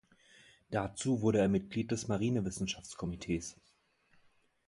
Dazu wurde er Mitglied des Marinewissenschaftskomitees.